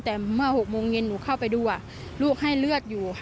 แต่เมื่อ๖โมงเย็นหนูเข้าไปดูลูกให้เลือดอยู่